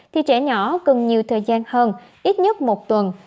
thì trẻ nhỏ cần nhiều thời gian hơn ít nhất một tuần